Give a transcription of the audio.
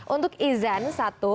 untuk izan satu